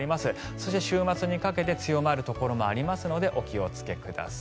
そして、週末にかけて強まるところもありますのでお気をつけください。